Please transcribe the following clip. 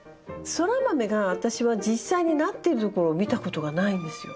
ソラマメが私は実際になってるところを見たことがないんですよ。